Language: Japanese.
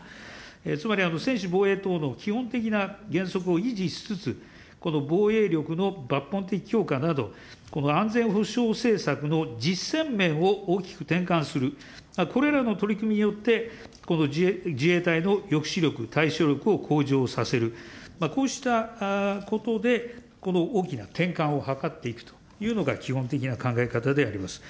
つまり専守防衛等の基本的な原則を維持しつつ、この防衛力の抜本的な強化など、安全保障政策の実践面を大きく転換する、これらの取り組みによって、自衛隊の抑止力、対処力を向上させる、こうしたことで、この大きな転換を図っていくというのが基本的な考え方であります。